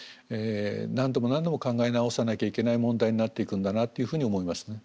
何度も何度も考え直さなきゃいけない問題になっていくんだなというふうに思いますね。